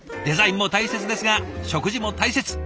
デザインも大切ですが食事も大切。